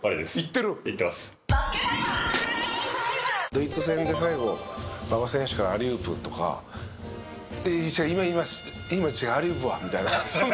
ドイツ戦で最後馬場選手からアリウープとか「ちょ今今今違うアリウープは」みたいな。